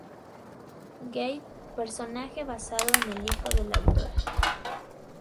Gabe: Personaje basado en el hijo de la autora.